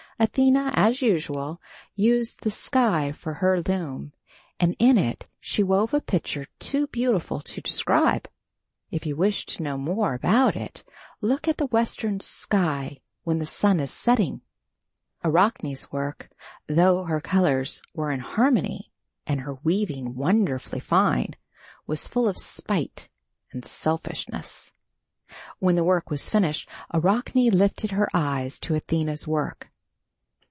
Athena, as usual, used the sky for her loom and in it she wove a picture too beautiful to describe. If you wish to know more about it look at the western sky when the sun is setting. Arachne's work, though her colors were in harmony and her weaving wonderfully fine, was full of spite and selfishness. When the work was finished Arachne lifted her eyes to Athena's work.